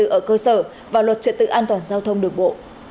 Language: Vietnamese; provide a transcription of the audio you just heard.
an ninh trật tự ở cơ sở và luật trật tự an toàn giao thông đường bộ